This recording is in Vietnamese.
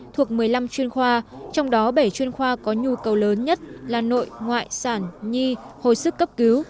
thuộc một mươi năm chuyên khoa trong đó bảy chuyên khoa có nhu cầu lớn nhất là nội ngoại sản nhi hồi sức cấp cứu